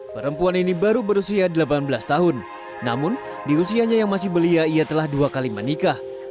perempuan ini baru berusia delapan belas tahun namun di usianya yang masih belia ia telah dua kali menikah